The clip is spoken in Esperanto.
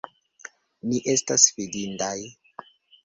Ni estas fidindaj!